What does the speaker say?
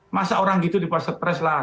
masa orang gitu dipasak stres lah